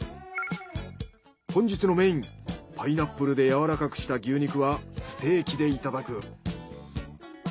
本日のメインパイナップルで柔らかくした牛肉はステーキでいただく。